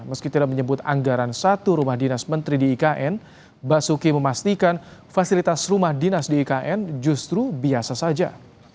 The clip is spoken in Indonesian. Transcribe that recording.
meski tidak menyebut anggaran satu rumah dinas menteri di ikn basuki memastikan fasilitas rumah dinas di ikn justru biasa saja